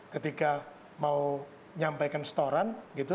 ketika mau nyampaikan setoran